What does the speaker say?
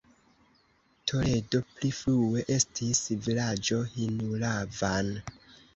Toledo pli frue estis vilaĝo Hinulavan.